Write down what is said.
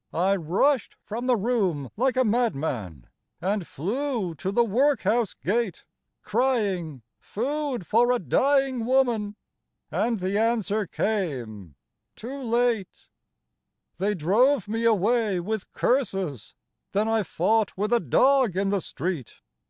" I rushed from the room like a madman. And flew to the workhouse gate, Crying, * Food for a dying woman !' And the answer came, * Too late.* 14 THE DAG ONE T BALLADS. They drove me away with curses ; Then I fought with a dog in the street.